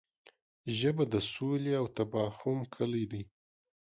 ژبه د سولې او تفاهم کلۍ ده